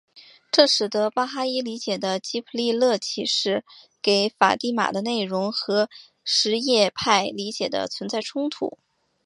这使得巴哈伊理解的吉卜利勒启示给法蒂玛的内容和什叶派理解的存在冲突。